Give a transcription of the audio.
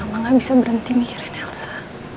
mama gak bisa berhenti mikirin elsa